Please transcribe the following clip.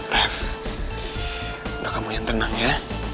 nah udah kamu yang tenang ya